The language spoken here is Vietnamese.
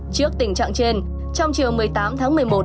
trước tình trạng trên trong chiều một mươi tám tháng một mươi một